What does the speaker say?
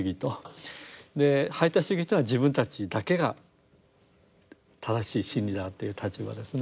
排他主義というのは自分たちだけが正しい真理だという立場ですね。